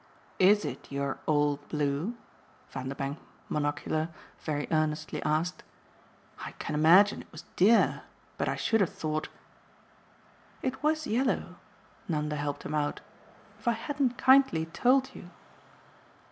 "IS it your 'OLD blue'?" Vanderbank, monocular, very earnestly asked. "I can imagine it was 'dear,' but I should have thought !" "It was yellow" Nanda helped him out "if I hadn't kindly told you."